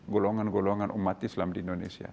golongan golongan umat islam di indonesia